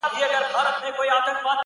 یوه بل ته یې کتل دواړه حیران سول!!